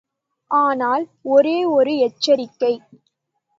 ஆனால் ஒரே ஒரு எச்சரிக்கை.